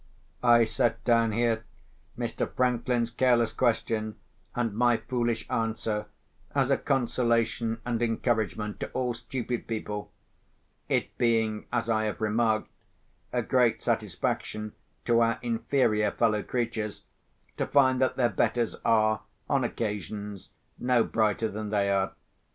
I set down here Mr. Franklin's careless question, and my foolish answer, as a consolation and encouragement to all stupid people—it being, as I have remarked, a great satisfaction to our inferior fellow creatures to find that their betters are, on occasions, no brighter than they are.